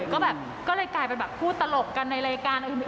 ก็แบบก็เลยกลายกลายมาแบบพูดตลกกันในรายการ